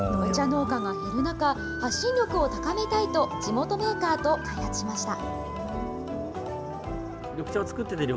お茶農家が減る中、発信力を高めたいと、地元メーカーと開発しました。